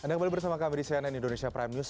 anda kembali bersama kami di cnn indonesia prime news